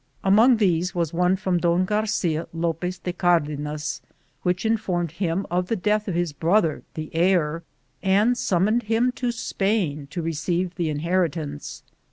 Among these was one from Don Garcia Lopez de Cardenas, which informed bint of the death of bis brother, the heir, and summoned him to Spain to receive the inheritance.